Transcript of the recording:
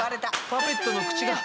パペットの口が。